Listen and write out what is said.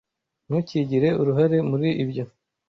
Ntukigire uruhare muri ibyo.